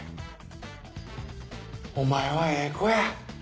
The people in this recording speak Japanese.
お前はええ子や。